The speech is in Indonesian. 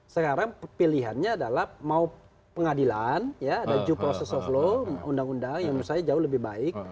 sekarang pilihannya adalah mau pengadilan ya ada due process of law undang undang yang menurut saya jauh lebih baik